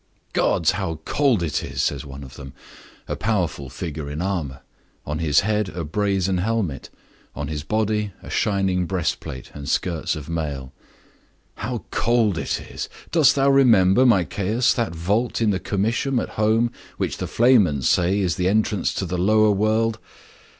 "Gods! How cold it is!" says one of them, a powerful figure in armor; on his head a brazen helmet, on his body a shining breastplate and skirts of mail. "How cold it is! Dost thou remember, my Caius, that vault in the Comitium at home which the flamens say is the entrance to the lower world?